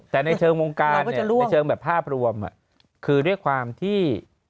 แต่ในเชิงวงการเนี่ยในเชิงแบบภาพรวมคือด้วยความที่